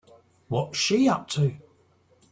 What's she up to?